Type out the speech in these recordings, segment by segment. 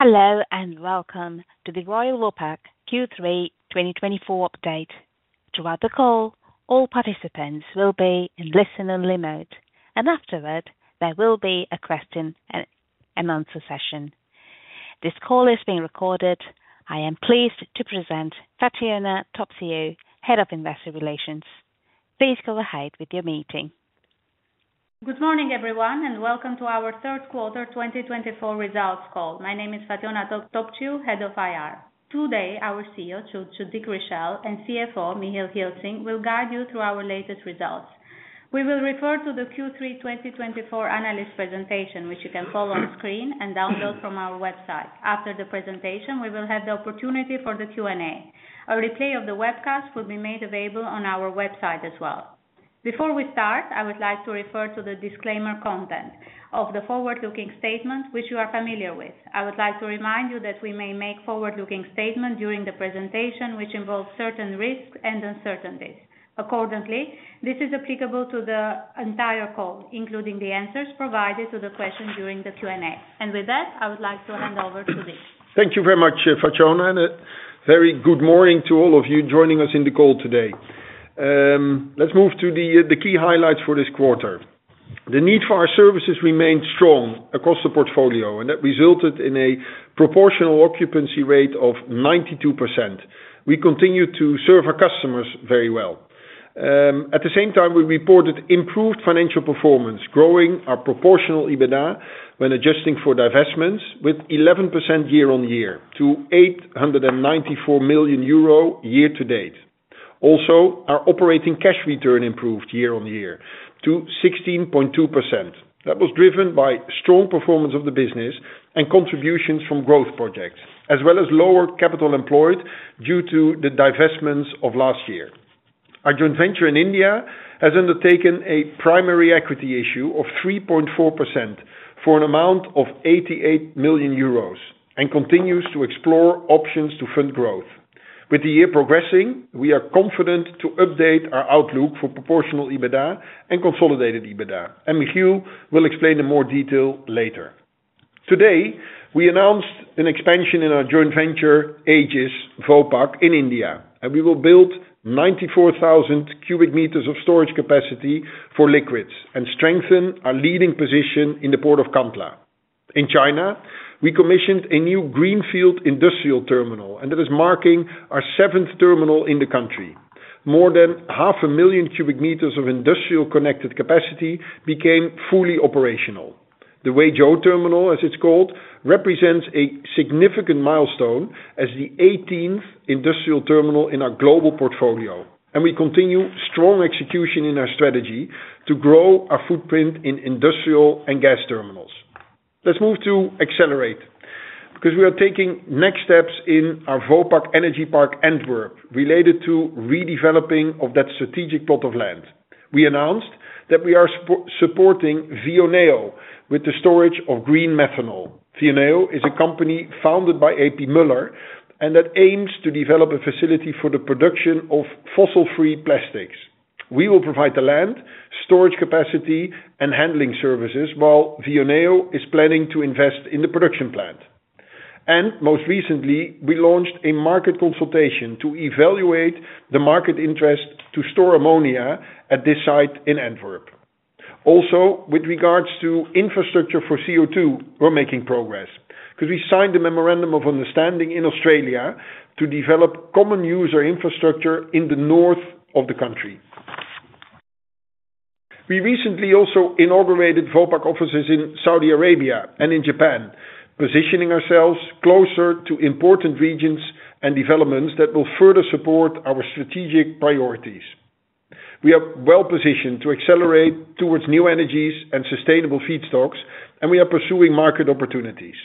Hello and welcome to the Royal Vopak Q3 2024 Update. Throughout the call, all participants will be in listen-only mode, and afterward, there will be a question-and-answer session. This call is being recorded. I am pleased to present Fatjona Topciu, Head of Investor Relations. Please go ahead with your meeting. Good morning, everyone, and welcome to our third quarter 2024 results call. My name is Fatjona Topciu, Head of IR. Today, our CEO, Dick Richelle, and CFO, Michiel Gilsing, will guide you through our latest results. We will refer to the Q3 2024 analyst presentation, which you can follow on screen and download from our website. After the presentation, we will have the opportunity for the Q&A. A replay of the webcast will be made available on our website as well. Before we start, I would like to refer to the disclaimer content of the forward-looking statement, which you are familiar with. I would like to remind you that we may make forward-looking statements during the presentation, which involve certain risks and uncertainties. Accordingly, this is applicable to the entire call, including the answers provided to the questions during the Q&A. With that, I would like to hand over to Dick. Thank you very much, Fatjona, and a very good morning to all of you joining us in the call today. Let's move to the key highlights for this quarter. The need for our services remained strong across the portfolio, and that resulted in a proportional occupancy rate of 92%. We continue to serve our customers very well. At the same time, we reported improved financial performance, growing our proportional EBITDA when adjusting for divestments with 11% year-on-year to 894 million euro year-to-date. Also, our operating cash return improved year-on-year to 16.2%. That was driven by strong performance of the business and contributions from growth projects, as well as lower capital employed due to the divestments of last year. Our joint venture in India has undertaken a primary equity issue of 3.4% for an amount of 88 million euros and continues to explore options to fund growth. With the year progressing, we are confident to update our outlook for proportional EBITDA and consolidated EBITDA, and Michiel will explain in more detail later. Today, we announced an expansion in our joint venture, Aegis Vopak in India, and we will build 94,000 cubic meters of storage capacity for liquids and strengthen our leading position in the port of Kandla. In China, we commissioned a new greenfield industrial terminal, and that is marking our seventh terminal in the country. More than 500,000 cubic meters of industrial-connected capacity became fully operational. The Huizhou terminal, as it's called, represents a significant milestone as the 18th industrial terminal in our global portfolio, and we continue strong execution in our strategy to grow our footprint in industrial and gas terminals. Let's move to Accelerate, because we are taking next steps in our Vopak Energy Park Antwerp related to redeveloping that strategic plot of land. We announced that we are supporting Vioneo with the storage of green methanol. Vioneo is a company founded by A.P. Moller and that aims to develop a facility for the production of fossil-free plastics. We will provide the land, storage capacity, and handling services while Vioneo is planning to invest in the production plant. And most recently, we launched a market consultation to evaluate the market interest to store ammonia at this site in Antwerp. Also, with regards to infrastructure for CO2, we're making progress because we signed the memorandum of understanding in Australia to develop common user infrastructure in the north of the country. We recently also inaugurated Vopak offices in Saudi Arabia and in Japan, positioning ourselves closer to important regions and developments that will further support our strategic priorities. We are well positioned to accelerate towards new energies and sustainable feedstocks, and we are pursuing market opportunities.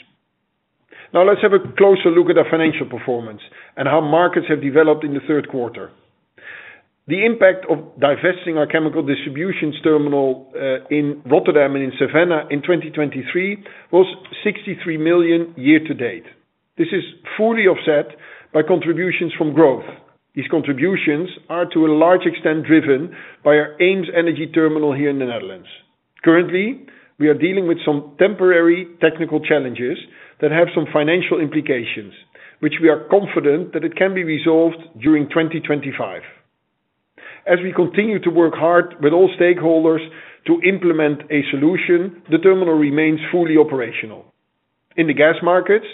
Now, let's have a closer look at our financial performance and how markets have developed in the third quarter. The impact of divesting our chemical distribution terminal in Rotterdam and in Savannah in 2023 was 63 million year-to-date. This is fully offset by contributions from growth. These contributions are to a large extent driven by our EemsEnergyTerminal here in the Netherlands. Currently, we are dealing with some temporary technical challenges that have some financial implications, which we are confident that can be resolved during 2025. As we continue to work hard with all stakeholders to implement a solution, the terminal remains fully operational. In the gas markets,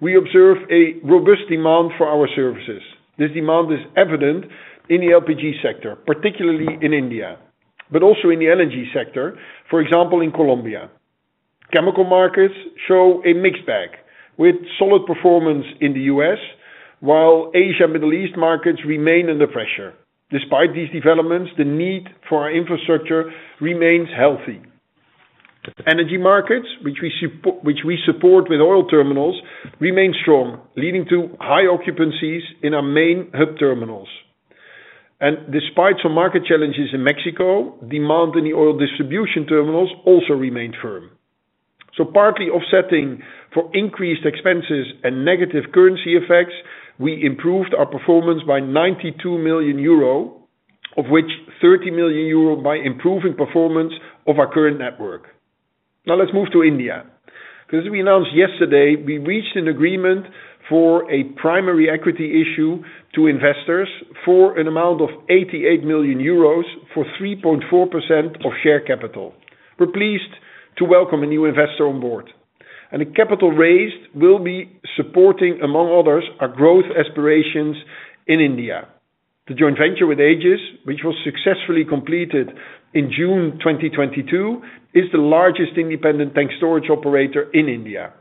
we observe a robust demand for our services. This demand is evident in the LPG sector, particularly in India, but also in the energy sector, for example, in Colombia. Chemical markets show a mixed bag with solid performance in the U.S., while Asia and Middle East markets remain under pressure. Despite these developments, the need for our infrastructure remains healthy. Energy markets, which we support with oil terminals, remain strong, leading to high occupancies in our main hub terminals. And despite some market challenges in Mexico, demand in the oil distribution terminals also remained firm. So, partly offsetting for increased expenses and negative currency effects, we improved our performance by 92 million euro, of which 30 million euro by improving performance of our current network. Now, let's move to India. As we announced yesterday, we reached an agreement for a primary equity issue to investors for an amount of 88 million euros for 3.4% of share capital. We're pleased to welcome a new investor on board, and the capital raised will be supporting, among others, our growth aspirations in India. The joint venture with Aegis, which was successfully completed in June 2022, is the largest independent tank storage operator in India.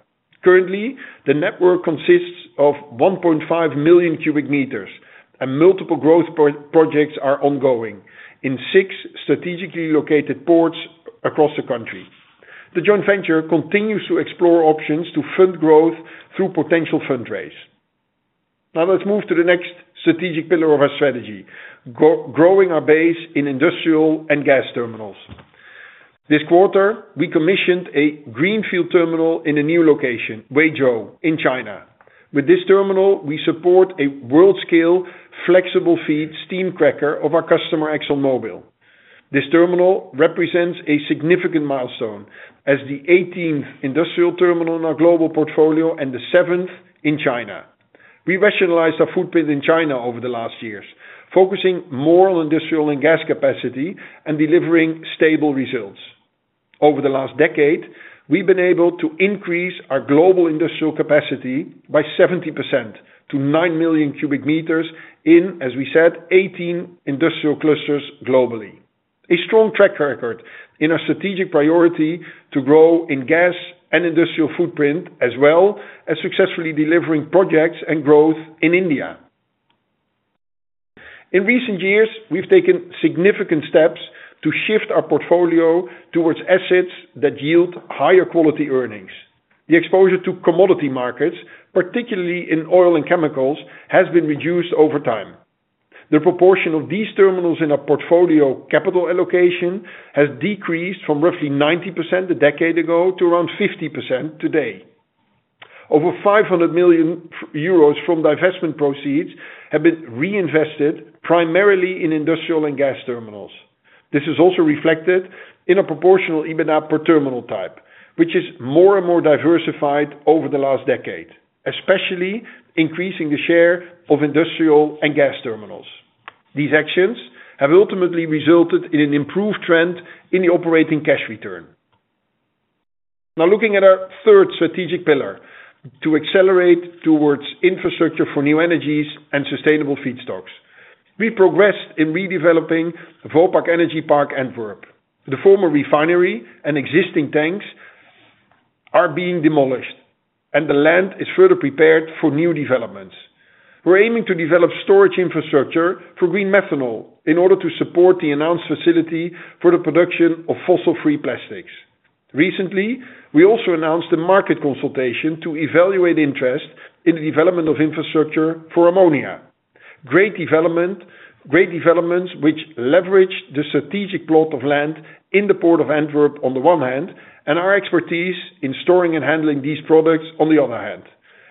Currently, the network consists of 1.5 million cubic meters, and multiple growth projects are ongoing in six strategically located ports across the country. The joint venture continues to explore options to fund growth through potential fundraise. Now, let's move to the next strategic pillar of our strategy: growing our base in industrial and gas terminals. This quarter, we commissioned a greenfield terminal in a new location, Huizhou, in China. With this terminal, we support a world-scale flexible feedstock steam cracker of our customer, ExxonMobil. This terminal represents a significant milestone as the 18th industrial terminal in our global portfolio and the seventh in China. We rationalized our footprint in China over the last years, focusing more on industrial and gas capacity and delivering stable results. Over the last decade, we've been able to increase our global industrial capacity by 70% to 9 million cubic meters in, as we said, 18 industrial clusters globally. A strong track record in our strategic priority to grow in gas and industrial footprint, as well as successfully delivering projects and growth in India. In recent years, we've taken significant steps to shift our portfolio towards assets that yield higher quality earnings. The exposure to commodity markets, particularly in oil and chemicals, has been reduced over time. The proportion of these terminals in our portfolio capital allocation has decreased from roughly 90% a decade ago to around 50% today. Over 500 million euros from divestment proceeds have been reinvested primarily in industrial and gas terminals. This is also reflected in a proportional EBITDA per terminal type, which is more and more diversified over the last decade, especially increasing the share of industrial and gas terminals. These actions have ultimately resulted in an improved trend in the operating cash return. Now, looking at our third strategic pillar to accelerate towards infrastructure for new energies and sustainable feedstocks, we progressed in redeveloping the Vopak Energy Park Antwerp. The former refinery and existing tanks are being demolished, and the land is further prepared for new developments. We're aiming to develop storage infrastructure for green methanol in order to support the announced facility for the production of fossil-free plastics. Recently, we also announced a market consultation to evaluate interest in the development of infrastructure for ammonia. Great developments which leverage the strategic plot of land in the port of Antwerp on the one hand, and our expertise in storing and handling these products on the other hand.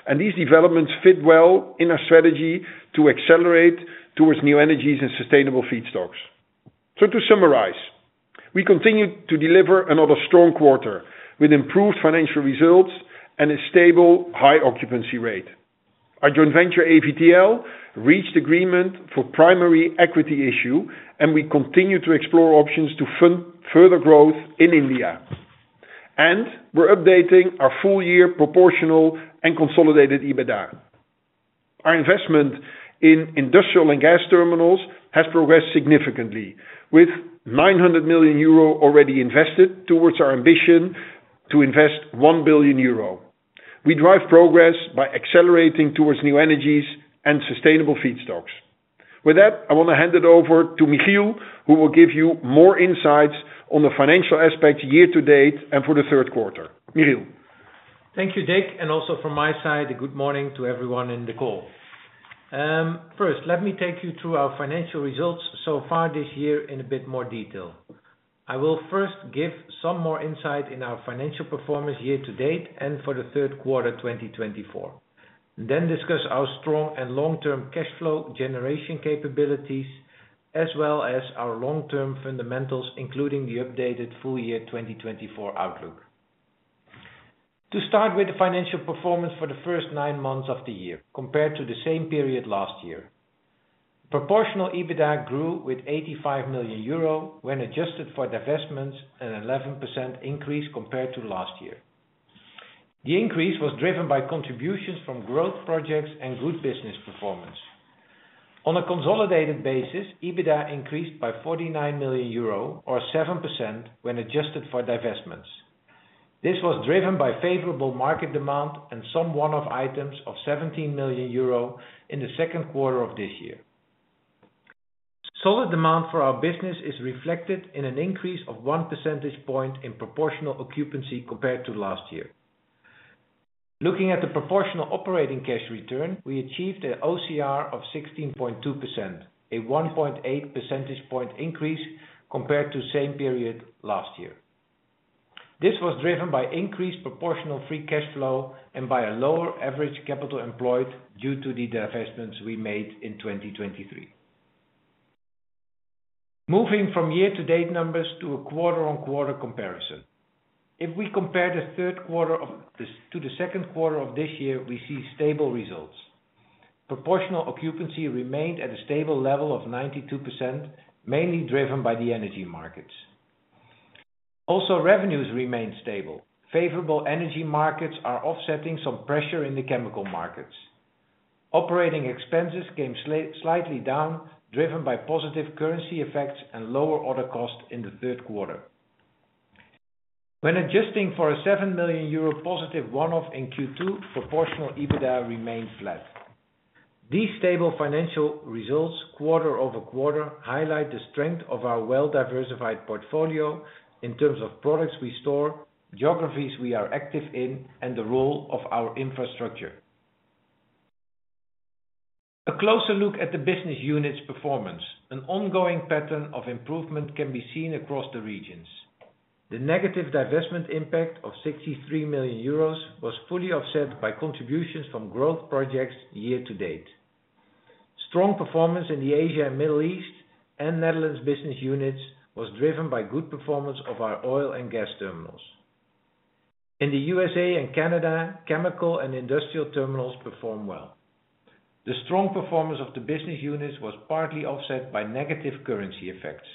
And these developments fit well in our strategy to accelerate towards new energies and sustainable feedstocks. So, to summarize, we continue to deliver another strong quarter with improved financial results and a stable high occupancy rate. Our joint venture, AVTL, reached agreement for primary equity issue, and we continue to explore options to fund further growth in India. And we're updating our full-year proportional and consolidated EBITDA. Our investment in industrial and gas terminals has progressed significantly, with 900 million euro already invested towards our ambition to invest 1 billion euro. We drive progress by accelerating towards new energies and sustainable feedstocks. With that, I want to hand it over to Michiel, who will give you more insights on the financial aspects year-to-date and for the third quarter. Michiel. Thank you, Dick. And also from my side, a good morning to everyone in the call. First, let me take you through our financial results so far this year in a bit more detail. I will first give some more insight in our financial performance year-to-date and for the third quarter 2024, then discuss our strong and long-term cash flow generation capabilities, as well as our long-term fundamentals, including the updated full-year 2024 outlook. To start with, the financial performance for the first nine months of the year compared to the same period last year. Proportional EBITDA grew with 85 million euro when adjusted for divestments and an 11% increase compared to last year. The increase was driven by contributions from growth projects and good business performance. On a consolidated basis, EBITDA increased by 49 million euro, or 7% when adjusted for divestments. This was driven by favorable market demand and some one-off items of 17 million euro in the second quarter of this year. Solid demand for our business is reflected in an increase of one percentage point in proportional occupancy compared to last year. Looking at the proportional operating cash return, we achieved an OCR of 16.2%, a 1.8 percentage point increase compared to the same period last year. This was driven by increased proportional free cash flow and by a lower average capital employed due to the divestments we made in 2023. Moving from year-to-date numbers to a quarter-on-quarter comparison, if we compare the third quarter to the second quarter of this year, we see stable results. Proportional occupancy remained at a stable level of 92%, mainly driven by the energy markets. Also, revenues remained stable. Favorable energy markets are offsetting some pressure in the chemical markets. Operating expenses came slightly down, driven by positive currency effects and lower other costs in the third quarter. When adjusting for a 7 million euro positive one-off in Q2, proportional EBITDA remained flat. These stable financial results, quarter over quarter, highlight the strength of our well-diversified portfolio in terms of products we store, geographies we are active in, and the role of our infrastructure. A closer look at the business units' performance. An ongoing pattern of improvement can be seen across the regions. The negative divestment impact of 63 million euros was fully offset by contributions from growth projects year-to-date. Strong performance in the Asia and Middle East and Netherlands business units was driven by good performance of our oil and gas terminals. In the U.S.A. and Canada, chemical and industrial terminals performed well. The strong performance of the business units was partly offset by negative currency effects.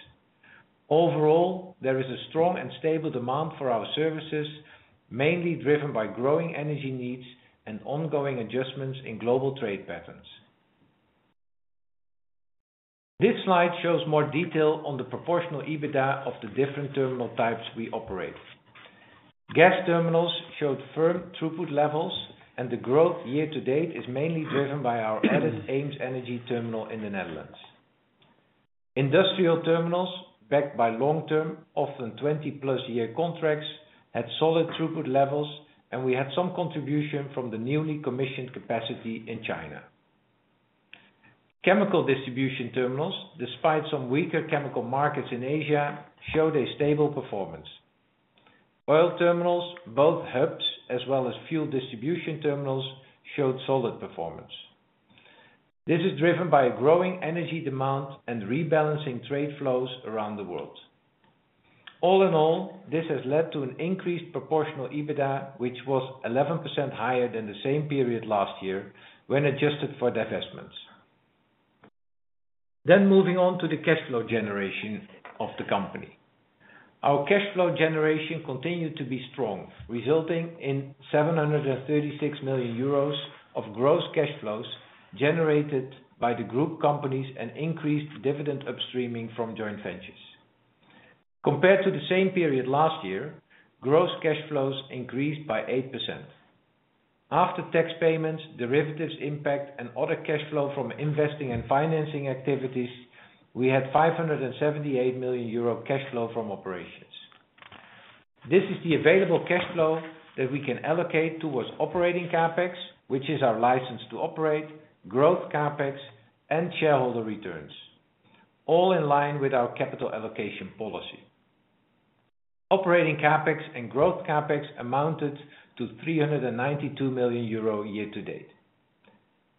Overall, there is a strong and stable demand for our services, mainly driven by growing energy needs and ongoing adjustments in global trade patterns. This slide shows more detail on the proportional EBITDA of the different terminal types we operate. Gas terminals showed firm throughput levels, and the growth year-to-date is mainly driven by our added EemsEnergyTerminal in the Netherlands. Industrial terminals, backed by long-term, often 20+ year contracts, had solid throughput levels, and we had some contribution from the newly commissioned capacity in China. Chemical distribution terminals, despite some weaker chemical markets in Asia, showed a stable performance. Oil terminals, both hubs as well as fuel distribution terminals, showed solid performance. This is driven by a growing energy demand and rebalancing trade flows around the world. All in all, this has led to an increased proportional EBITDA, which was 11% higher than the same period last year when adjusted for divestments. Then, moving on to the cash flow generation of the company. Our cash flow generation continued to be strong, resulting in 736 million euros of gross cash flows generated by the group companies and increased dividend upstreaming from joint ventures. Compared to the same period last year, gross cash flows increased by 8%. After tax payments, derivatives impact, and other cash flow from investing and financing activities, we had 578 million euro cash flow from operations. This is the available cash flow that we can allocate towards operating CapEx, which is our license to operate, growth CapEx, and shareholder returns, all in line with our capital allocation policy. Operating CapEx and growth CapEx amounted to 392 million euro year-to-date.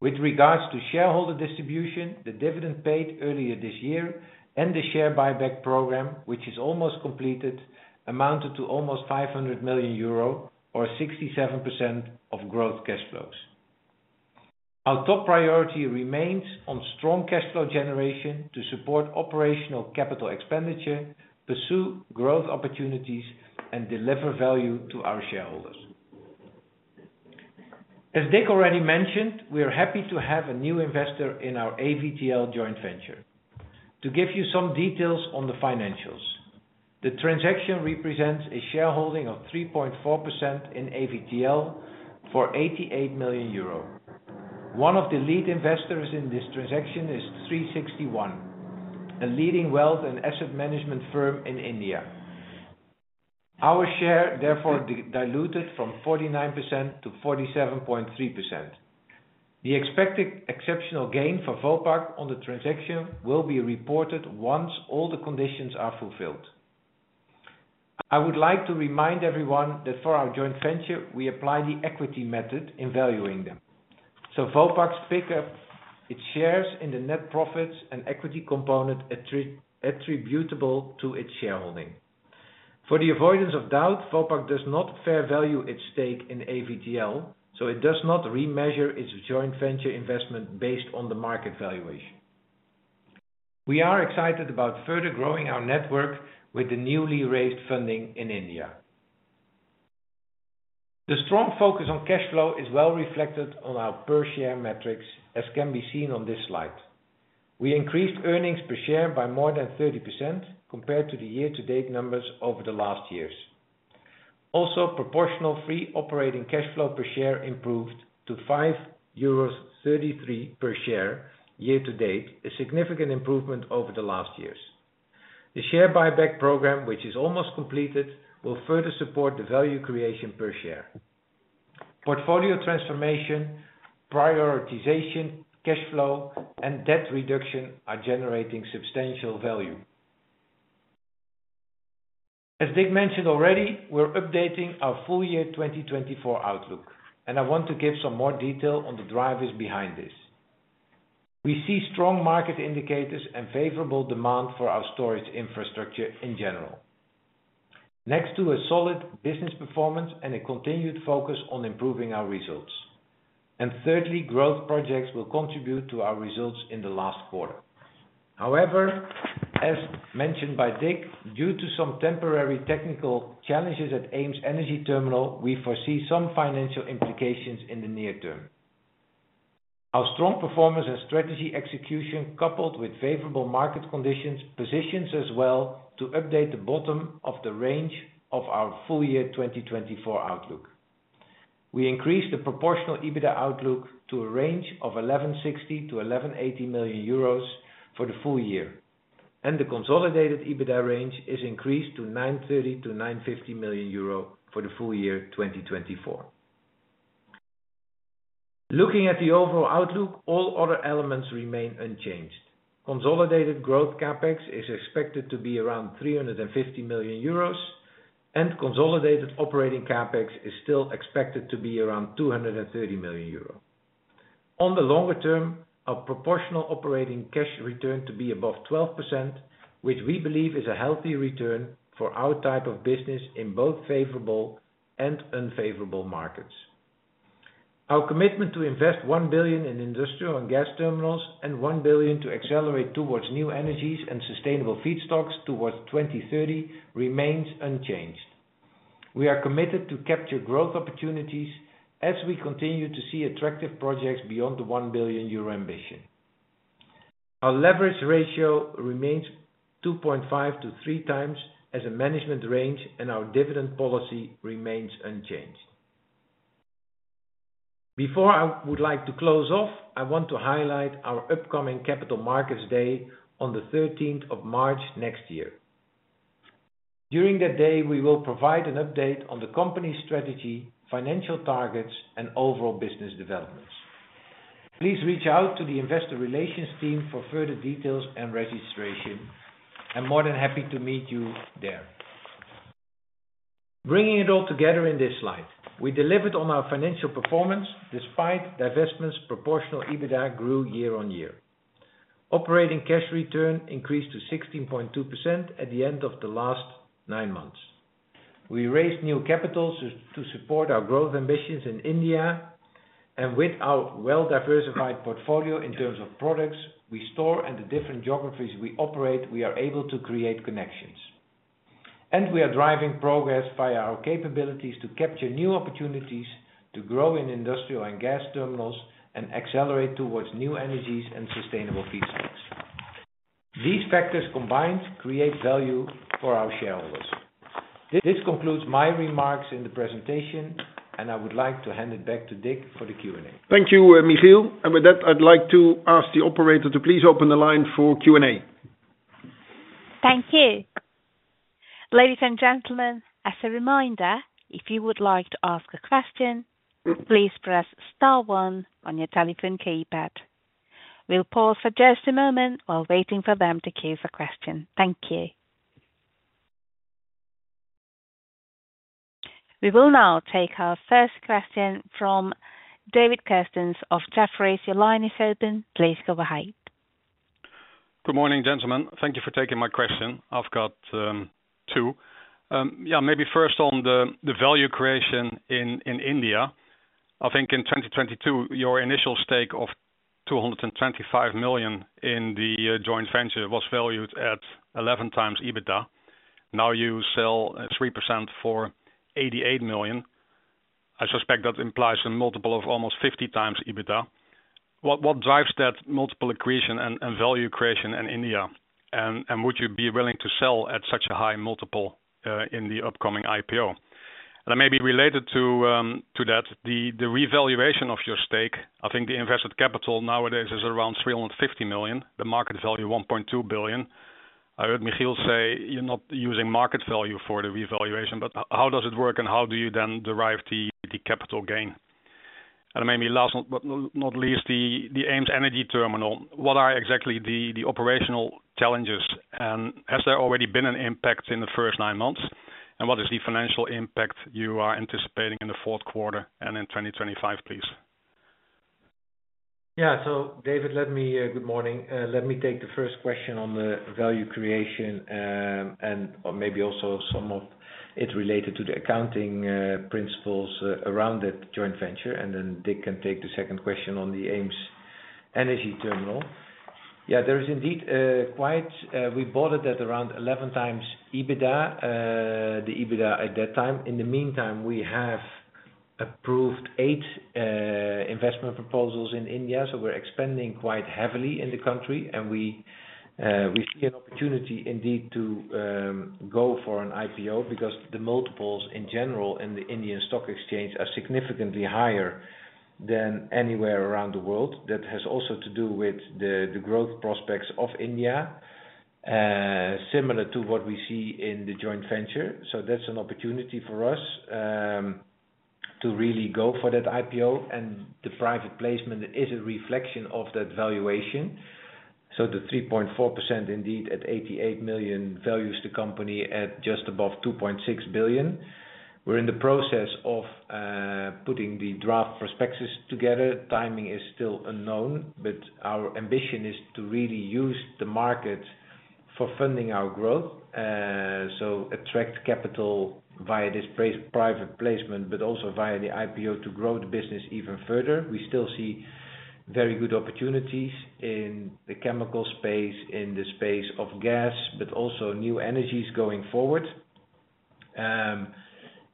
With regards to shareholder distribution, the dividend paid earlier this year and the share buyback program, which is almost completed, amounted to almost 500 million euro, or 67% of growth cash flows. Our top priority remains on strong cash flow generation to support operational capital expenditure, pursue growth opportunities, and deliver value to our shareholders. As Dick already mentioned, we are happy to have a new investor in our AVTL joint venture. To give you some details on the financials, the transaction represents a shareholding of 3.4% in AVTL for 88 million euro. One of the lead investors in this transaction is 360 ONE, a leading wealth and asset management firm in India. Our share, therefore, diluted from 49% to 47.3%. The expected exceptional gain for Vopak on the transaction will be reported once all the conditions are fulfilled. I would like to remind everyone that for our joint venture, we apply the equity method in valuing them, so Vopak's pickup, its shares in the net profits and equity component attributable to its shareholding. For the avoidance of doubt, Vopak does not fair value its stake in AVTL, so it does not remeasure its joint venture investment based on the market valuation. We are excited about further growing our network with the newly raised funding in India. The strong focus on cash flow is well reflected on our per-share metrics, as can be seen on this slide. We increased earnings per share by more than 30% compared to the year-to-date numbers over the last years. Also, proportional free operating cash flow per share improved to 5.33 euros per share year-to-date, a significant improvement over the last years. The share buyback program, which is almost completed, will further support the value creation per share. Portfolio transformation, prioritization, cash flow, and debt reduction are generating substantial value. As Dick mentioned already, we're updating our full-year 2024 outlook, and I want to give some more detail on the drivers behind this. We see strong market indicators and favorable demand for our storage infrastructure in general, next to a solid business performance and a continued focus on improving our results. And thirdly, growth projects will contribute to our results in the last quarter. However, as mentioned by Dick, due to some temporary technical challenges at EemsEnergyTerminal, we foresee some financial implications in the near term. Our strong performance and strategy execution, coupled with favorable market conditions, position us well to update the bottom of the range of our full-year 2024 outlook. We increased the proportional EBITDA outlook to a range of 1160 million-1180 million euros for the full year, and the consolidated EBITDA range is increased to 930 million-950 million euro for the full year 2024. Looking at the overall outlook, all other elements remain unchanged. Consolidated growth CapEx is expected to be around 350 million euros, and consolidated operating CapEx is still expected to be around 230 million euros. On the longer term, our proportional operating cash return to be above 12%, which we believe is a healthy return for our type of business in both favorable and unfavorable markets. Our commitment to invest 1 billion in industrial and gas terminals and 1 billion to accelerate towards new energies and sustainable feedstocks towards 2030 remains unchanged. We are committed to capture growth opportunities as we continue to see attractive projects beyond the 1 billion euro ambition. Our leverage ratio remains 2.5x-3x as a management range, and our dividend policy remains unchanged. Before I would like to close off, I want to highlight our upcoming Capital Markets Day on the 13th of March next year. During that day, we will provide an update on the company's strategy, financial targets, and overall business developments. Please reach out to the investor relations team for further details and registration, and more than happy to meet you there. Bringing it all together in this slide, we delivered on our financial performance despite divestments. Proportional EBITDA grew year-on-year. Operating cash return increased to 16.2% at the end of the last nine months. We raised new capital to support our growth ambitions in India, and with our well-diversified portfolio in terms of products we store and the different geographies we operate, we are able to create connections. We are driving progress via our capabilities to capture new opportunities to grow in industrial and gas terminals and accelerate towards new energies and sustainable feedstocks. These factors combined create value for our shareholders. This concludes my remarks in the presentation, and I would like to hand it back to Dick for the Q&A. Thank you, Michiel. And with that, I'd like to ask the operator to please open the line for Q&A. Thank you. Ladies and gentlemen, as a reminder, if you would like to ask a question, please press star one on your telephone keypad. We'll pause for just a moment while waiting for them to queue for questions. Thank you. We will now take our first question from David Kerstens of Jefferies. Your line is open. Please go ahead. Good morning, gentlemen. Thank you for taking my question. I've got two. Yeah, maybe first on the value creation in India. I think in 2022, your initial stake of 225 million in the joint venture was valued at 11x EBITDA. Now you sell 3% for 88 million. I suspect that implies a multiple of almost 50x EBITDA. What drives that multiple accretion and value creation in India? And would you be willing to sell at such a high multiple in the upcoming IPO? And it may be related to that, the revaluation of your stake. I think the invested capital nowadays is around 350 million, the market value 1.2 billion. I heard Michiel say you're not using market value for the revaluation, but how does it work, and how do you then derive the capital gain? And maybe last but not least, the EemsEnergyTerminal. What are exactly the operational challenges, and has there already been an impact in the first nine months? And what is the financial impact you are anticipating in the fourth quarter and in 2025, please? Yeah, so David, let me, good morning. Let me take the first question on the value creation and maybe also some of it related to the accounting principles around that joint venture. And then Dick can take the second question on the EemsEnergyTerminal. Yeah, there is indeed quite, we bought it at around 11x EBITDA, the EBITDA at that time. In the meantime, we have approved eight investment proposals in India, so we're expanding quite heavily in the country. And we see an opportunity indeed to go for an IPO because the multiples in general in the Indian stock exchange are significantly higher than anywhere around the world. That has also to do with the growth prospects of India, similar to what we see in the joint venture. So that's an opportunity for us to really go for that IPO. And the private placement is a reflection of that valuation. So the 3.4% indeed at 88 million values the company at just above 2.6 billion. We're in the process of putting the draft prospectus together. Timing is still unknown, but our ambition is to really use the market for funding our growth, so attract capital via this private placement, but also via the IPO to grow the business even further. We still see very good opportunities in the chemical space, in the space of gas, but also new energies going forward.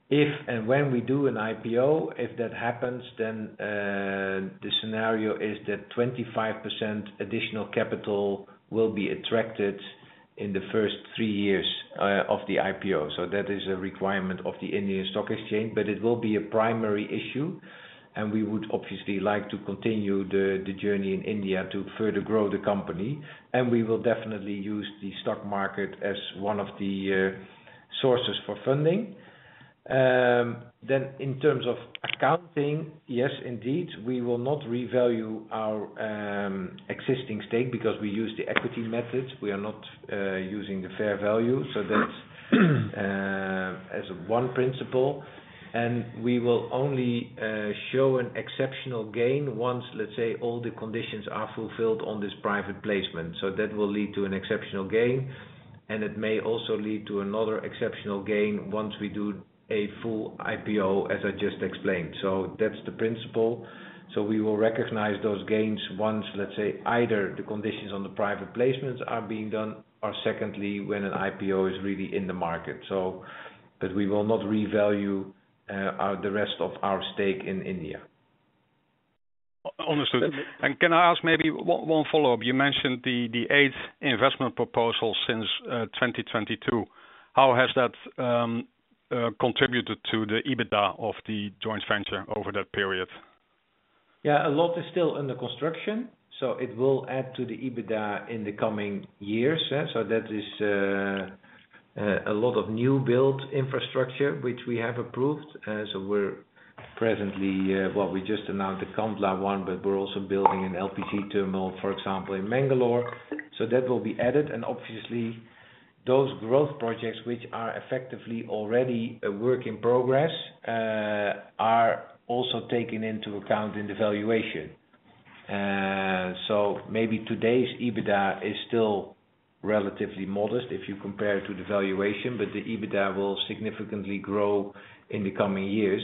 If and when we do an IPO, if that happens, then the scenario is that 25% additional capital will be attracted in the first three years of the IPO. So that is a requirement of the Indian stock exchange, but it will be a primary issue. And we would obviously like to continue the journey in India to further grow the company. And we will definitely use the stock market as one of the sources for funding. Then, in terms of accounting, yes, indeed, we will not revalue our existing stake because we use the equity methods. We are not using the fair value. So that's as one principle. And we will only show an exceptional gain once, let's say, all the conditions are fulfilled on this private placement. So that will lead to an exceptional gain. And it may also lead to another exceptional gain once we do a full IPO, as I just explained. So that's the principle. So we will recognize those gains once, let's say, either the conditions on the private placements are being done or secondly, when an IPO is really in the market. But we will not revalue the rest of our stake in India. Understood. And can I ask maybe one follow-up? You mentioned the eight investment proposals since 2022. How has that contributed to the EBITDA of the joint venture over that period? Yeah, a lot is still under construction, so it will add to the EBITDA in the coming years. So that is a lot of new-built infrastructure, which we have approved. So we're presently, well, we just announced the Kandla one, but we're also building an LPG terminal, for example, in Mangalore. So that will be added. Obviously, those growth projects, which are effectively already a work in progress, are also taken into account in the valuation. Maybe today's EBITDA is still relatively modest if you compare it to the valuation, but the EBITDA will significantly grow in the coming years.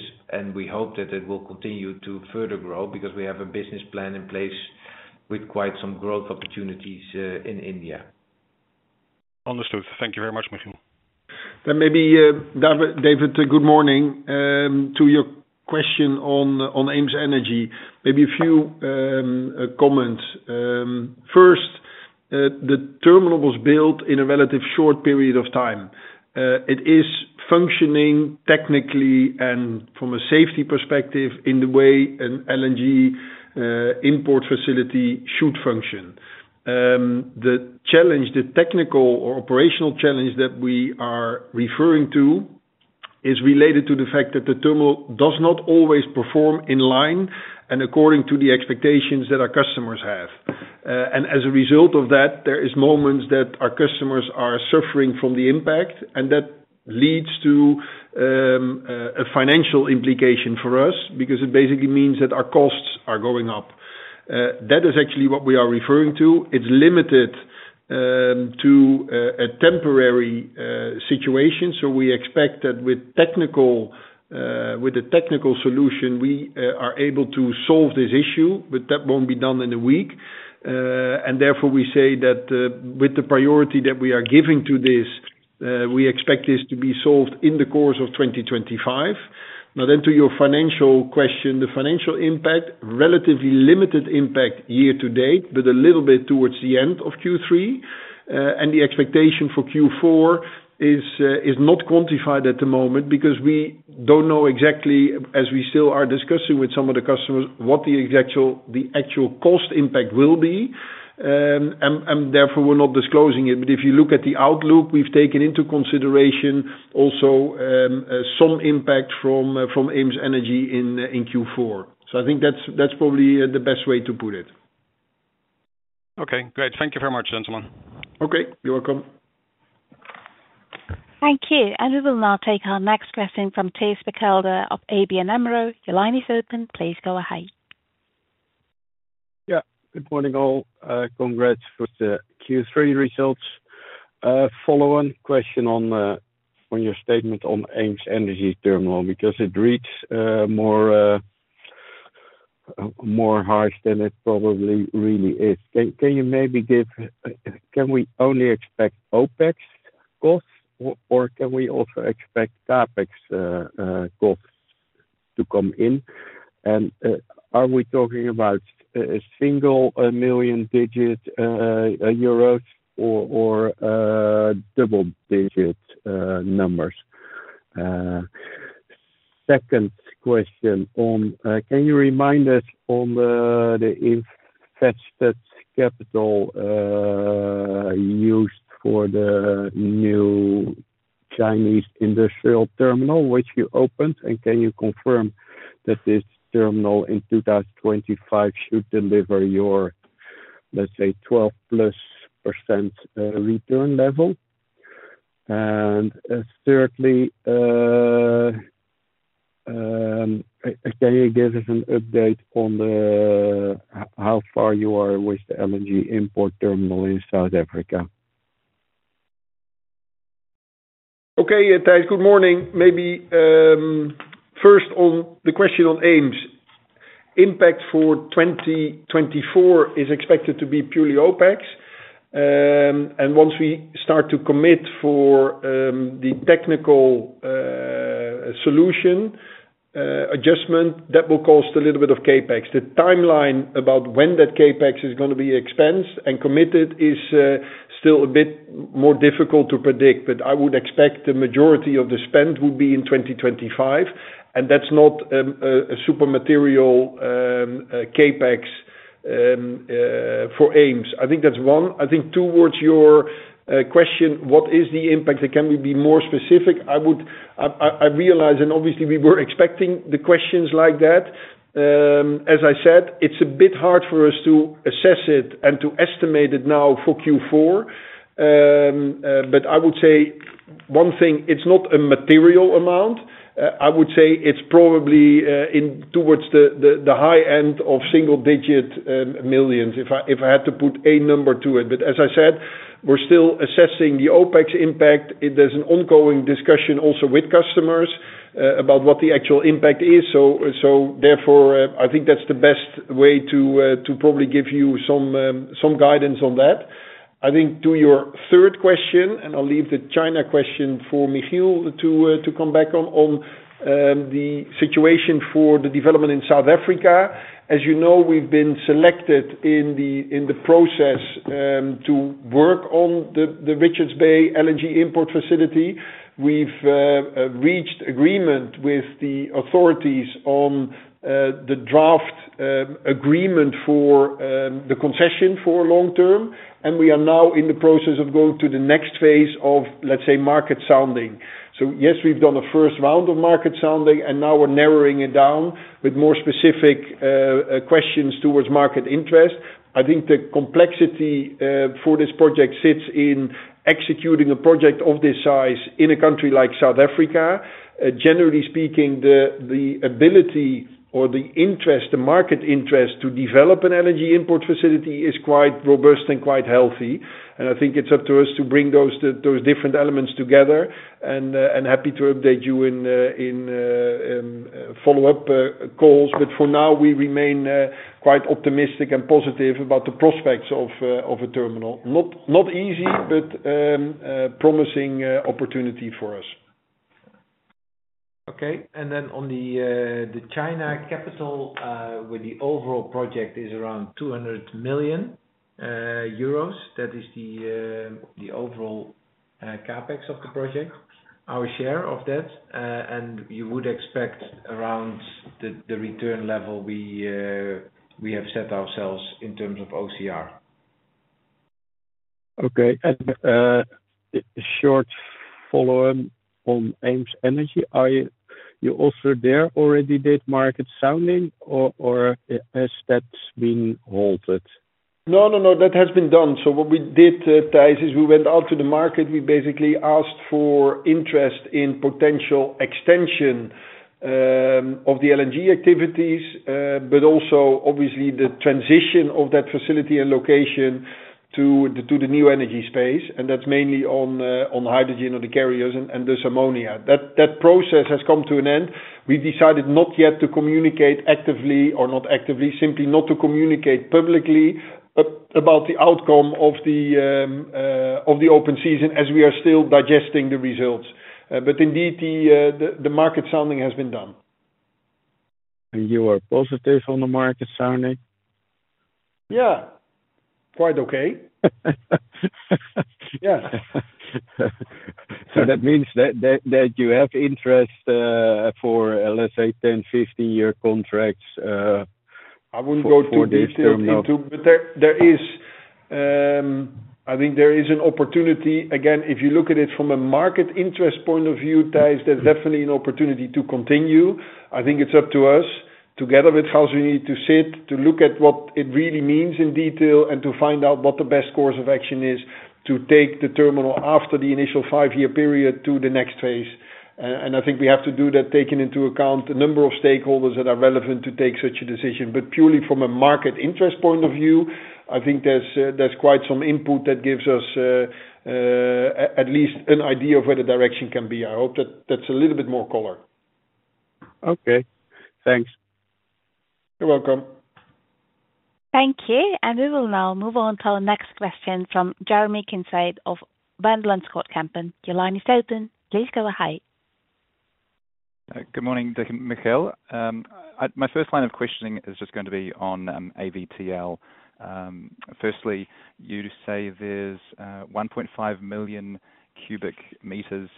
We hope that it will continue to further grow because we have a business plan in place with quite some growth opportunities in India. Understood. Thank you very much, Michiel. Maybe, David, good morning. To your question on EemsEnergyTerminal, maybe a few comments. First, the terminal was built in a relatively short period of time. It is functioning technically and from a safety perspective in the way an LNG import facility should function. The challenge, the technical or operational challenge that we are referring to, is related to the fact that the terminal does not always perform in line and according to the expectations that our customers have. And as a result of that, there are moments that our customers are suffering from the impact, and that leads to a financial implication for us because it basically means that our costs are going up. That is actually what we are referring to. It's limited to a temporary situation. So we expect that with a technical solution, we are able to solve this issue, but that won't be done in a week. And therefore, we say that with the priority that we are giving to this, we expect this to be solved in the course of 2025. Now then, to your financial question, the financial impact, relatively limited impact year to date, but a little bit towards the end of Q3. And the expectation for Q4 is not quantified at the moment because we don't know exactly, as we still are discussing with some of the customers, what the actual cost impact will be. And therefore, we're not disclosing it. But if you look at the outlook, we've taken into consideration also some impact from EemsEnergyTerminal in Q4. So I think that's probably the best way to put it. Okay, great. Thank you very much, gentlemen. Okay, you're welcome. Thank you. And we will now take our next question from Thijs Berkelder of ABN AMRO. Your line is open. Please go ahead. Yeah, good morning all. Congrats with the Q3 results. Follow-on question on your statement on the EemsEnergyTerminal because it reads more harsh than it probably really is. Can you maybe give: can we only expect OpEx costs, or can we also expect CapEx costs to come in? And are we talking about single-digit million euros or double-digit numbers? Second question: can you remind us on the invested capital used for the new Chinese industrial terminal which you opened? And can you confirm that this terminal in 2025 should deliver your, let's say, 12+% return level? And thirdly, can you give us an update on how far you are with the LNG import terminal in South Africa? Okay, good morning. Maybe first on the question on Eems' impact for 2024 is expected to be purely OpEx. And once we start to commit for the technical solution adjustment, that will cost a little bit of CapEx. The timeline about when that CapEx is going to be expensed and committed is still a bit more difficult to predict, but I would expect the majority of the spend would be in 2025, and that's not a super material CapEx for Eems. I think that's one. I think towards your question, what is the impact? Can we be more specific? I realize, and obviously, we were expecting the questions like that. As I said, it's a bit hard for us to assess it and to estimate it now for Q4, but I would say one thing, it's not a material amount. I would say it's probably towards the high end of single-digit millions if I had to put a number to it, but as I said, we're still assessing the OpEx impact. There's an ongoing discussion also with customers about what the actual impact is. So therefore, I think that's the best way to probably give you some guidance on that. I think to your third question, and I'll leave the China question for Michiel to come back on the situation for the development in South Africa. As you know, we've been selected in the process to work on the Richards Bay LNG import facility. We've reached agreement with the authorities on the draft agreement for the concession for long term. And we are now in the process of going to the next phase of, let's say, market sounding. So yes, we've done a first round of market sounding, and now we're narrowing it down with more specific questions towards market interest. I think the complexity for this project sits in executing a project of this size in a country like South Africa. Generally speaking, the ability or the interest, the market interest to develop an LNG import facility is quite robust and quite healthy. I think it's up to us to bring those different elements together. Happy to update you in follow-up calls. But for now, we remain quite optimistic and positive about the prospects of a terminal. Not easy, but promising opportunity for us. Okay. Then on the China capex, where the overall project is around 200 million euros, that is the overall capex of the project, our share of that. You would expect around the return level we have set ourselves in terms of OCR. Okay. A short follow-up on EemsEnergyTerminal. Have you already done market sounding, or has that been halted? No, no, no. That has been done. So what we did, Thijs, is we went out to the market. We basically asked for interest in potential extension of the LNG activities, but also obviously the transition of that facility and location to the new energy space. And that's mainly on hydrogen or the carriers and the ammonia. That process has come to an end. We've decided not yet to communicate actively or not actively, simply not to communicate publicly about the outcome of the open season as we are still digesting the results. But indeed, the market sounding has been done. You are positive on the market sounding? Yeah, quite okay. Yeah. So that means that you have interest for, let's say, 10- or 15-year contracts for this terminal. I wouldn't go too deep into it. But I think there is an opportunity. Again, if you look at it from a market interest point of view, Thijs, there's definitely an opportunity to continue. I think it's up to us together with Fauzi to sit, to look at what it really means in detail, and to find out what the best course of action is to take the terminal after the initial five-year period to the next phase, and I think we have to do that taking into account a number of stakeholders that are relevant to take such a decision, but purely from a market interest point of view, I think there's quite some input that gives us at least an idea of where the direction can be. I hope that that's a little bit more color. Okay. Thanks. You're welcome. Thank you, and we will now move on to our next question from Jeremy Kincaid of Van Lanschot Kempen. Your line is open. Please go ahead. Good morning, Dick and Michiel. My first line of questioning is just going to be on AVTL. Firstly, you say there's 1.5 million cubic meters.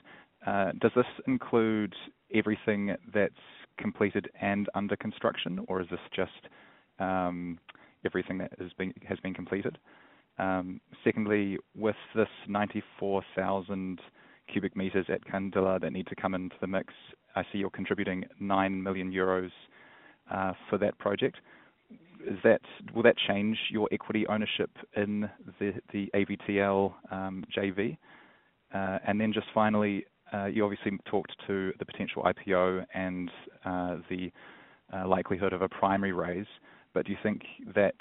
Does this include everything that's completed and under construction, or is this just everything that has been completed? Secondly, with this 94,000 cubic meters at Kandla that need to come into the mix, I see you're contributing 9 million euros for that project. Will that change your equity ownership in the AVTL JV? And then just finally, you obviously talked to the potential IPO and the likelihood of a primary raise. But do you think that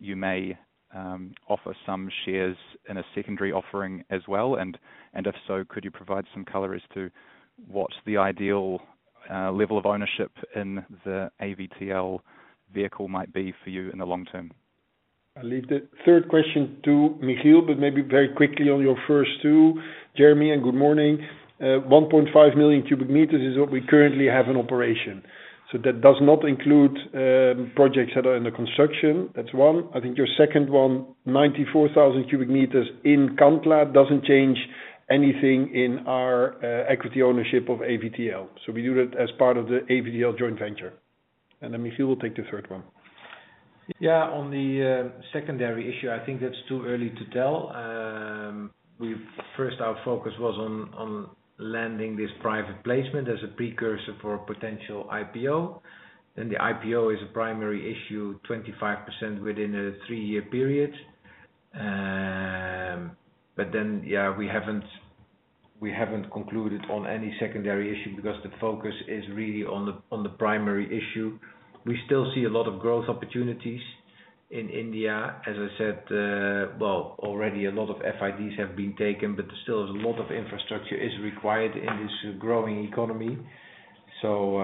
you may offer some shares in a secondary offering as well? And if so, could you provide some color as to what the ideal level of ownership in the AVTL vehicle might be for you in the long term? I'll leave the third question to Michiel, but maybe very quickly on your first two. Jeremy, and good morning. 1.5 million cubic meters is what we currently have in operation. So that does not include projects that are under construction. That's one. I think your second one, 94,000 cubic meters in Kandla, doesn't change anything in our equity ownership of AVTL. So we do that as part of the AVTL joint venture. And then Michiel will take the third one. Yeah, on the secondary issue, I think that's too early to tell. First, our focus was on landing this private placement as a precursor for potential IPO. And the IPO is a primary issue, 25% within a three-year period. But then, yeah, we haven't concluded on any secondary issue because the focus is really on the primary issue. We still see a lot of growth opportunities in India. As I said, well, already a lot of FIDs have been taken, but still a lot of infrastructure is required in this growing economy. So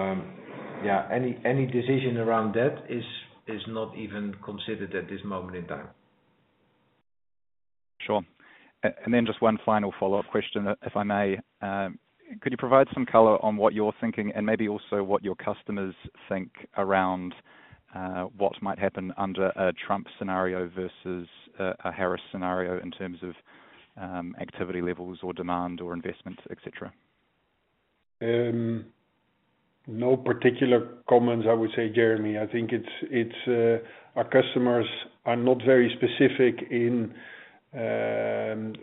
yeah, any decision around that is not even considered at this moment in time. Sure. And then just one final follow-up question, if I may. Could you provide some color on what you're thinking and maybe also what your customers think around what might happen under a Trump scenario versus a Harris scenario in terms of activity levels or demand or investment, etc.? No particular comments, I would say, Jeremy. I think our customers are not very specific in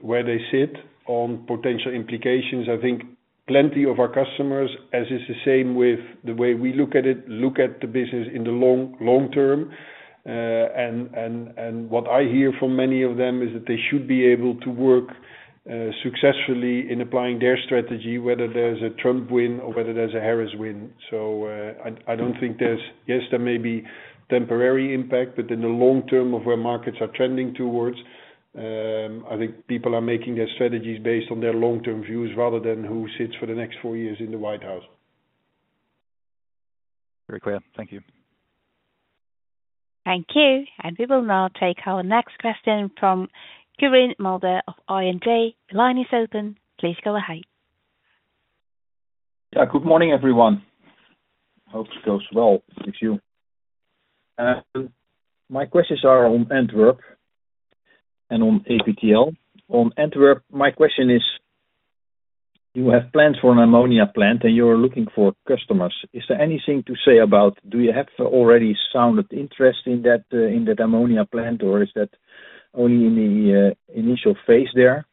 where they sit on potential implications. I think plenty of our customers, as is the same with the way we look at it, look at the business in the long term. And what I hear from many of them is that they should be able to work successfully in applying their strategy, whether there's a Trump win or whether there's a Harris win. So I don't think there's yes, there may be temporary impact, but in the long term of where markets are trending towards, I think people are making their strategies based on their long-term views rather than who sits for the next four years in the White House. Very clear. Thank you. Thank you. And we will now take our next question from Quirijn Mulder of ING. The line is open. Please go ahead. Yeah, good morning, everyone. Hope it goes well with you. My questions are on Antwerp and on AVTL. On Antwerp, my question is, you have plans for an ammonia plant and you're looking for customers. Is there anything to say about? Do you have already shown interest in that ammonia plant, or is that only in the initial phase there?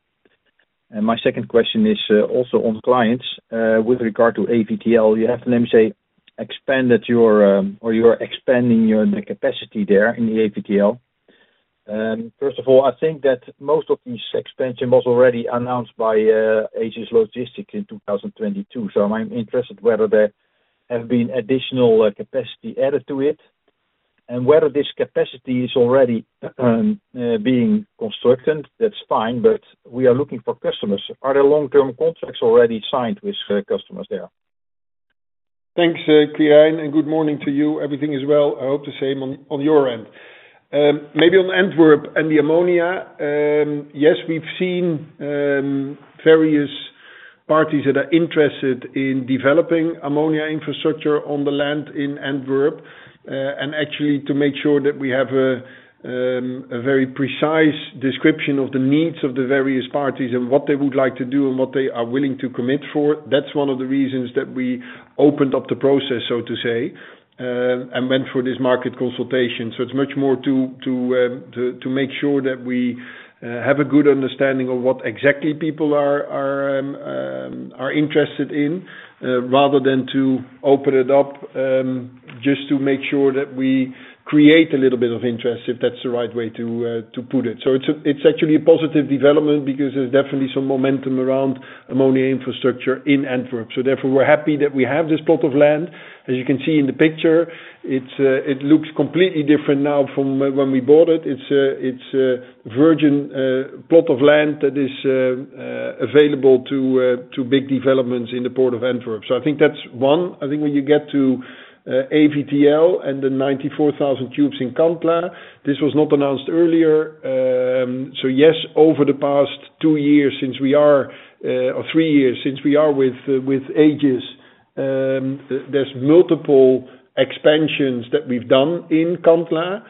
And my second question is also on clients with regard to AVTL. You have, let me say, expanded your or you're expanding your capacity there in the AVTL. First of all, I think that most of these expansions were already announced by Aegis Logistics in 2022. So I'm interested whether there have been additional capacity added to it. And whether this capacity is already being constructed, that's fine, but we are looking for customers. Are there long-term contracts already signed with customers there? Thanks, Quirijin, and good morning to you. Everything is well. I hope the same on your end. Maybe on Antwerp and the ammonia, yes, we've seen various parties that are interested in developing ammonia infrastructure on the land in Antwerp. And actually, to make sure that we have a very precise description of the needs of the various parties and what they would like to do and what they are willing to commit for, that's one of the reasons that we opened up the process, so to say, and went for this market consultation. So it's much more to make sure that we have a good understanding of what exactly people are interested in rather than to open it up just to make sure that we create a little bit of interest, if that's the right way to put it. So it's actually a positive development because there's definitely some momentum around ammonia infrastructure in Antwerp. So therefore, we're happy that we have this plot of land. As you can see in the picture, it looks completely different now from when we bought it. It's a virgin plot of land that is available to big developments in the port of Antwerp. So I think that's one. I think when you get to AVTL and the 94,000 cubes in Kandla, this was not announced earlier. So yes, over the past two or three years since we are with Aegis, there's multiple expansions that we've done in Kandla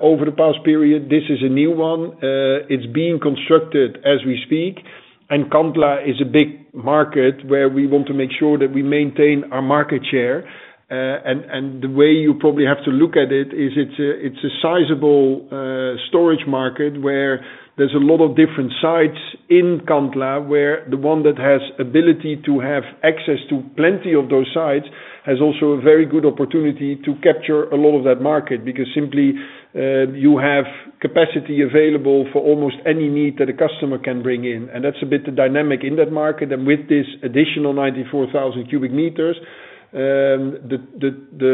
over the past period. This is a new one. It's being constructed as we speak. And Kandla is a big market where we want to make sure that we maintain our market share. The way you probably have to look at it is it's a sizable storage market where there's a lot of different sites in Kandla where the one that has the ability to have access to plenty of those sites has also a very good opportunity to capture a lot of that market because simply you have capacity available for almost any need that a customer can bring in. That's a bit the dynamic in that market. With this additional 94,000 cubic meters, the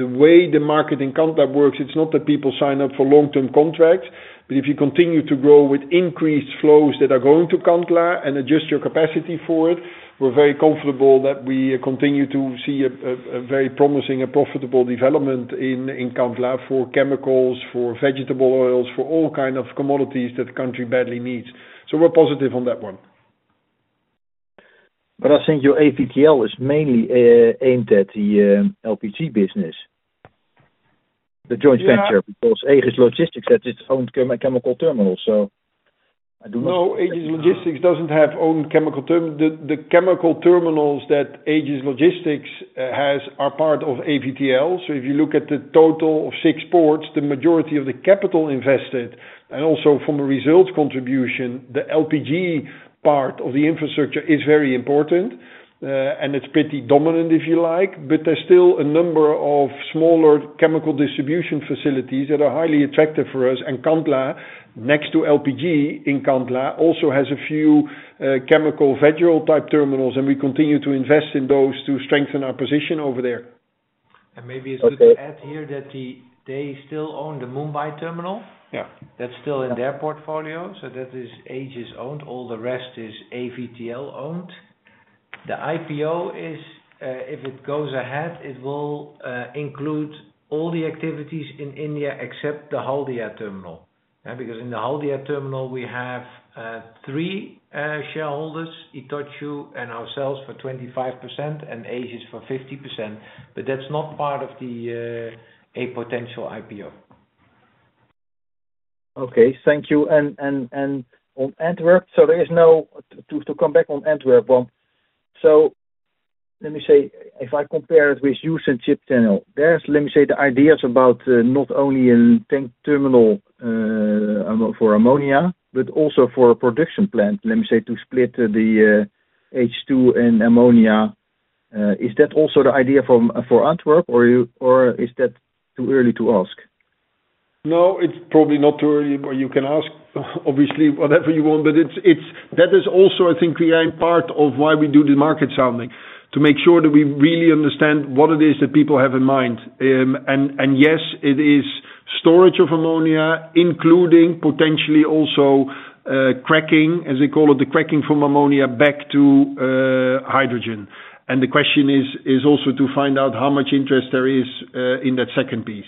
way the market in Kandla works, it's not that people sign up for long-term contracts. But if you continue to grow with increased flows that are going to Kandla and adjust your capacity for it, we're very comfortable that we continue to see a very promising and profitable development in Kandla for chemicals, for vegetable oils, for all kinds of commodities that the country badly needs. So we're positive on that one. But I think your AVTL is mainly aimed at the LPG business, the joint venture, because Aegis Logistics that is owned chemical terminals, so I do not know. No, Aegis Logistics doesn't have owned chemical terminals. The chemical terminals that Aegis Logistics has are part of AVTL. So if you look at the total of six ports, the majority of the capital invested and also from a results contribution, the LPG part of the infrastructure is very important. And it's pretty dominant, if you like. But there's still a number of smaller chemical distribution facilities that are highly attractive for us. And Kandla, next to LPG in Kandla, also has a few chemical feeder-type terminals. And we continue to invest in those to strengthen our position over there. And maybe it's good to add here that they still own the Mumbai terminal. That's still in their portfolio. So that is Aegis-owned. All the rest is AVTL-owned. The IPO, if it goes ahead, it will include all the activities in India except the Haldia terminal. Because in the Haldia terminal, we have three shareholders, Itochu and ourselves for 25% and Aegis for 50%. But that's not part of the potential IPO. Okay, thank you. And on Antwerp, so there is nothing to come back on Antwerp one. So let me say, if I compare it with Houston Ship Channel, there's, let me say, the ideas about not only a tank terminal for ammonia, but also for a production plant, let me say, to split the H2 and ammonia. Is that also the idea for Antwerp, or is that too early to ask? No, it's probably not too early, but you can ask, obviously, whatever you want. But that is also, I think, Quirijn, part of why we do the market sounding, to make sure that we really understand what it is that people have in mind. And yes, it is storage of ammonia, including potentially also cracking, as they call it, the cracking from ammonia back to hydrogen. And the question is also to find out how much interest there is in that second piece.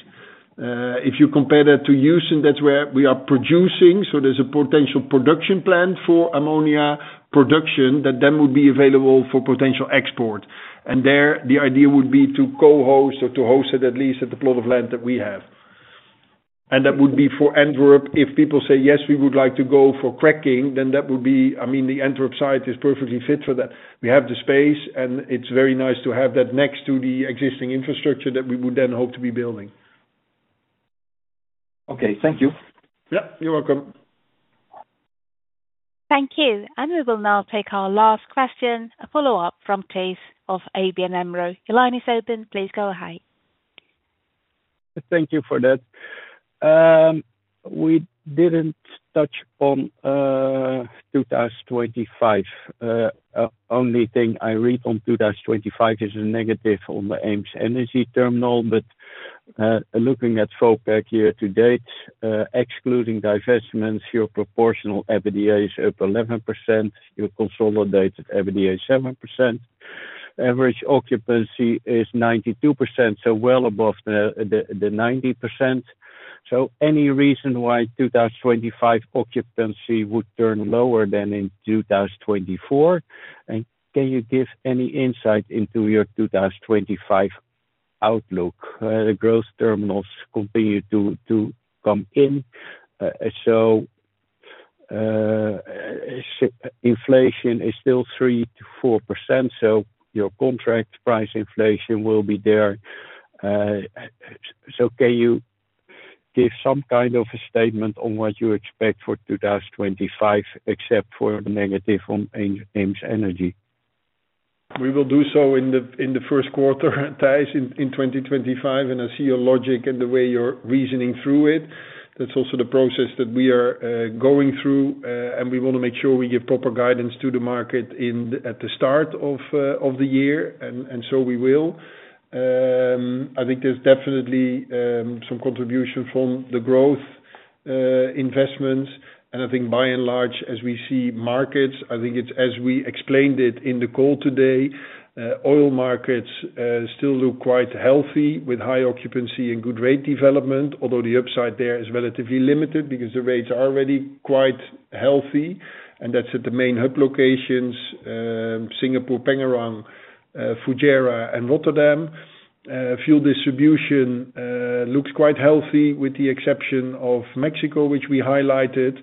If you compare that to use, and that's where we are producing, so there's a potential production plant for ammonia production that then would be available for potential export. And there, the idea would be to co-host or to host it at least at the plot of land that we have. And that would be for Antwerp. If people say, "Yes, we would like to go for cracking," then that would be, I mean, the Antwerp site is perfectly fit for that. We have the space, and it's very nice to have that next to the existing infrastructure that we would then hope to be building. Okay, thank you. Yeah, you're welcome. Thank you. And we will now take our last question, a follow-up from Thijs of ABN AMRO. Your line is open. Please go ahead. Thank you for that. We didn't touch on 2025. The only thing I read on 2025 is a negative on the EemsEnergyTerminal. But looking at Vopak year to date, excluding divestments, your proportional EBITDA is up 11%. Your consolidated EBITDA is 7%. Average occupancy is 92%, so well above the 90%. So any reason why 2025 occupancy would turn lower than in 2024? And can you give any insight into your 2025 outlook? Growth terminals continue to come in. So inflation is still 3%-4%. So your contract price inflation will be there. So can you give some kind of a statement on what you expect for 2025, except for the negative on EemsEnergy? We will do so in the first quarter, that is, in 2025. And I see your logic and the way you're reasoning through it. That's also the process that we are going through. We want to make sure we give proper guidance to the market at the start of the year. We will. I think there's definitely some contribution from the growth investments. I think, by and large, as we see markets, I think it's as we explained it in the call today, oil markets still look quite healthy with high occupancy and good rate development, although the upside there is relatively limited because the rates are already quite healthy. That's at the main hub locations: Singapore, Pengerang, Fujairah, and Rotterdam. Fuel distribution looks quite healthy with the exception of Mexico, which we highlighted.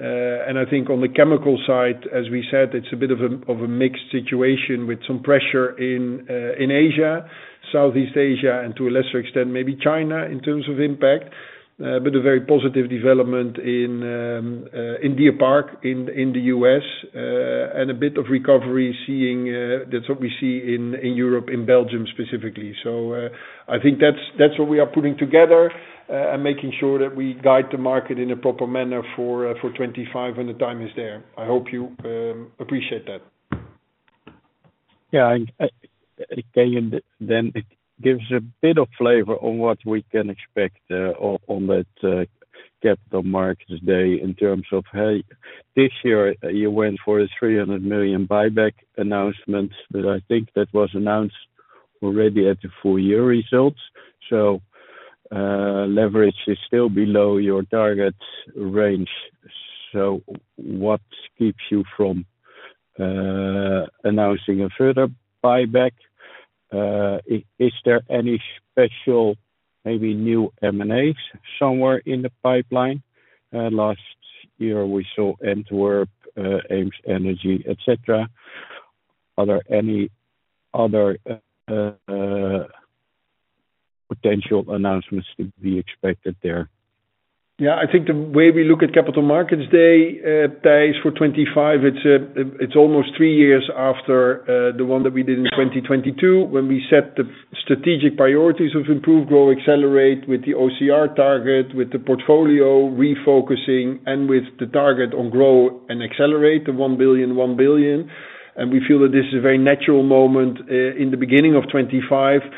I think on the chemical side, as we said, it's a bit of a mixed situation with some pressure in Asia, Southeast Asia, and to a lesser extent, maybe China in terms of impact. But a very positive development in Deer Park in the U.S. and a bit of recovery, seeing that's what we see in Europe, in Belgium specifically. So I think that's what we are putting together and making sure that we guide the market in a proper manner for 2025 when the time is there. I hope you appreciate that. Yeah, and then it gives a bit of flavor on what we can expect on that Capital Markets Day in terms of, hey, this year, you went for a 300 million buyback announcement. But I think that was announced already at the full year results. So leverage is still below your target range. So what keeps you from announcing a further buyback? Is there any special, maybe new M&As somewhere in the pipeline? Last year, we saw Antwerp, EemsEnergy, etc. Are there any other potential announcements to be expected there? Yeah, I think the way we look at Capital Markets Day targets for 2025. It's almost three years after the one that we did in 2022 when we set the strategic priorities of Improve, Grow, Accelerate with the OCR target, with the portfolio refocusing, and with the target on Grow and Accelerate the 1 billion, 1 billion. And we feel that this is a very natural moment in the beginning of 2025 to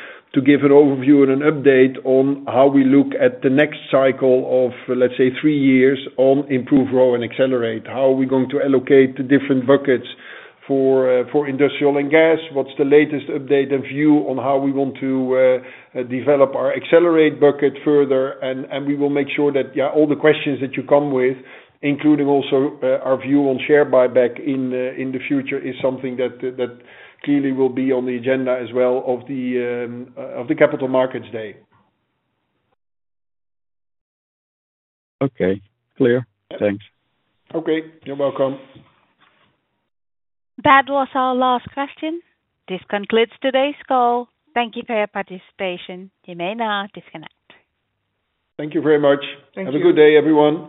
give an overview and an update on how we look at the next cycle of, let's say, three years on Improve, Grow, and Accelerate. How are we going to allocate the different buckets for industrial and gas? What's the latest update and view on how we want to develop our Accelerate bucket further? And we will make sure that, yeah, all the questions that you come with, including also our view on share buyback in the future, is something that clearly will be on the agenda as well of the Capital Markets Day. Okay, clear. Thanks. Okay, you're welcome. That was our last question. This concludes today's call. Thank you for your participation. You may now disconnect. Thank you very much. Have a good day, everyone.